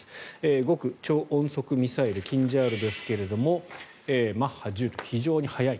極超音速ミサイルキンジャールですけどマッハ１０と非常に速い。